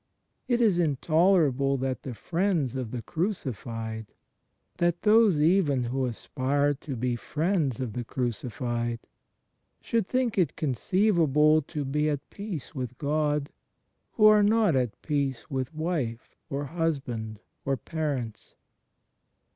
It is intolerable that the friends of the Crucified — that those even who aspire to be friends of the Crucified — should think it conceivable to be at peace with God, who are not at peace with wife or husband or parents.